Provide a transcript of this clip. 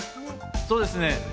そうですね。